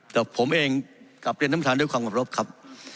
แต่ผมเองกลับเรียนท่านประธานด้วยความขอรบครับ